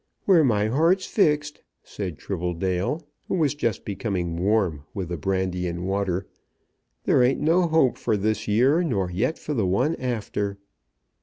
"Where my heart's fixed," said Tribbledale, who was just becoming warm with the brandy and water, "there ain't no hope for this year, nor yet for the one after."